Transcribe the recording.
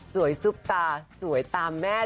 ซุปตาสวยตามแม่